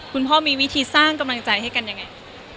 คุณพ่อมีวิธีสร้างกำลังใจให้กันยังไง